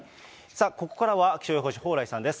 さあ、ここからは気象予報士、蓬莱さんです。